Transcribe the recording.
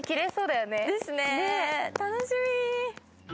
楽しみ。